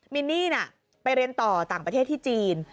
มินนี่น่ะไปเรียนต่อต่างประเทศที่จีน